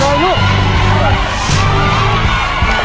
สวัสดีครับ